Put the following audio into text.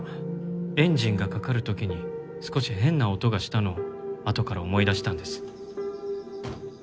エンジンがかかる時に少し変な音がしたのをあとから思い出したんです。